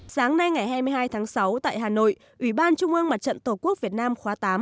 sáng nay ngày hai mươi hai tháng sáu tại hà nội ủy ban trung ương mặt trận tổ quốc việt nam khóa tám